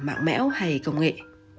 mạng mẽo hay công nghệ